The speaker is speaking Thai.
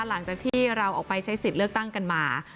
หลังจากที่เราออกไปใช้สิทธิ์เลือกตั้งกันมา